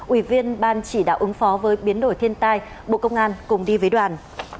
ủy viên ban chỉ đạo ứng phó với biến đổi thiên tai bộ công an cùng đi với đoàn